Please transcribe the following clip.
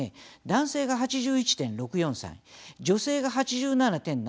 男性が８１．６４歳女性が８７．７４歳。